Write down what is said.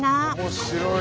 面白い。